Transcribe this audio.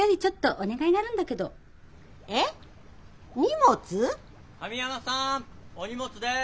お荷物です！